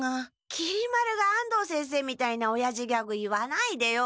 きり丸が安藤先生みたいなおやじギャグ言わないでよ。